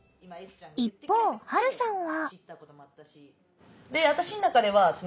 一方はるさんは。